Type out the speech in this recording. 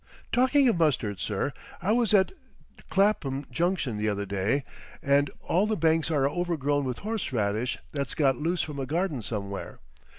Talking of mustard, sir, I was at Clapham Junction the other day, and all the banks are overgrown with horse radish that's got loose from a garden somewhere.